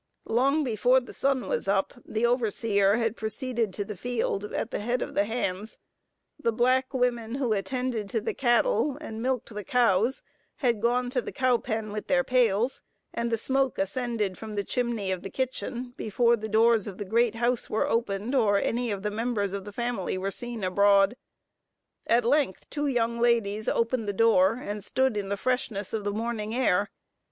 Long before the sun was up, the overseer had proceeded to the field at the head of the hands; the black women who attended to the cattle, and milked the cows, had gone to the cowpen with their pails; and the smoke ascended from the chimney of the kitchen, before the doors of the great house were opened, or any of the members of the family were seen abroad. At length two young ladies opened the door, and stood in the freshness of the morning air.